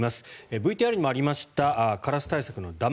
ＶＴＲにもありましたカラス対策のだ